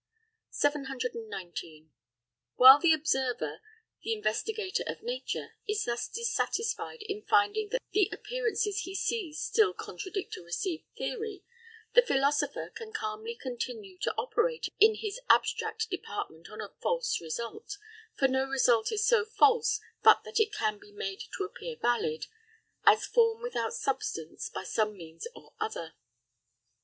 719. While the observer, the investigator of nature, is thus dissatisfied in finding that the appearances he sees still contradict a received theory, the philosopher can calmly continue to operate in his abstract department on a false result, for no result is so false but that it can be made to appear valid, as form without substance, by some means or other.